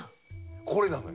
これなのよ。